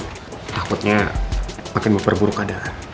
takutnya makin berperburuk keadaan